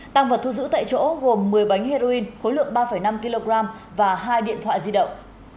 tăng vật thu giữ tại chỗ gồm một mươi bánh heroin khối lượng ba năm kg và hai điện thoại di động